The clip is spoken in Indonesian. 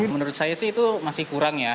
menurut saya sih itu masih kurang ya